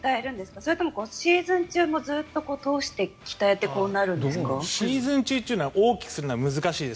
それともシーズン中もずっと通して鍛えてシーズン中というのは大きくするのは難しいです。